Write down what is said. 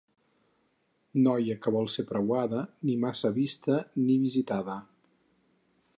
Noia que vol ser preuada, ni massa vista ni visitada.